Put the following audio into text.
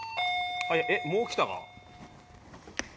えっもう来た？